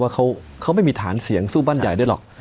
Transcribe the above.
ว่าเขาไม่มีฐานเสียงสู้บ้านใหญ่ได้หรอก